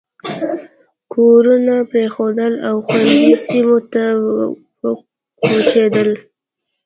کورونه پرېښودل او خوندي سیمو ته وکوچېدل.